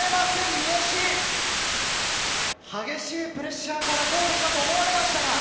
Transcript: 三好、激しいプレッシャーからゴールかと思われましたが。